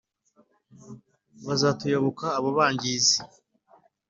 Bazatuyoboka abo bangizi